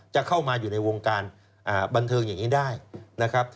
จะเข้ามาอยู่ในวงการบันเทิงอย่างนี้ได้นะครับ